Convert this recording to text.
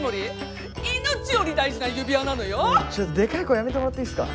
ちょっとでかい声やめてもらっていいっすか？